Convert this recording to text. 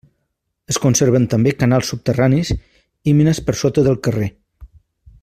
Es conserven també canals subterranis i mines per sota del carrer.